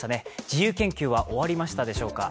自由研究は終わりましたでしょうか。